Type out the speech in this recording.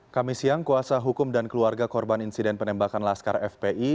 kami siang kuasa hukum dan keluarga korban insiden penembakan laskar fpi